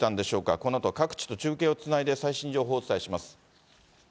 このあと各地と中継をつないで、最新情報をお伝えします。